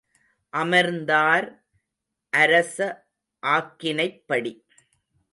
அமர்ந்தார், அரச ஆக்கினைப்படி.